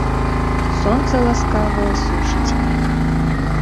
Сонца ласкавае сушыць іх.